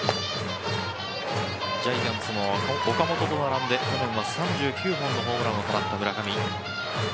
ジャイアンツも岡本と並んで去年は３９本のホームランを放った村上。